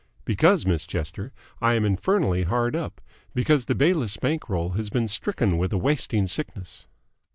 "Because, Miss Chester, I am infernally hard up! Because the Bayliss bank roll has been stricken with a wasting sickness."